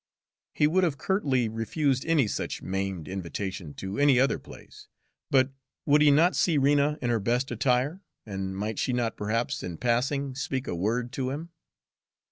He would have curtly refused any such maimed invitation to any other place. But would he not see Rena in her best attire, and might she not perhaps, in passing, speak a word to him?